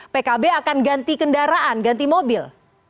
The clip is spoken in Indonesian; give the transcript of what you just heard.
pkb akan ganti kendaraan ganti mobil